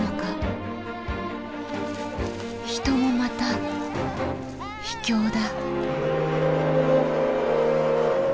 人もまた秘境だ。